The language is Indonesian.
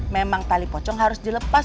memang tali pocong harus dilepas